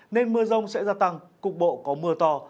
nên mưa rông sẽ gia tăng cục bộ có mưa to